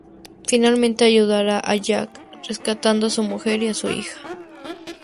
Finalmente ayudará a Jack rescatando a su mujer y a su hija.